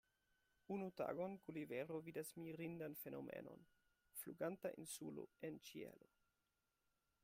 Unu tagon Gulivero vidas mirindan fenomenon: fluganta insulo en ĉielo.